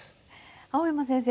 青山先生